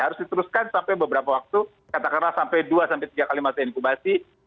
harus diteruskan sampai beberapa waktu katakanlah sampai dua tiga kali masa inkubasi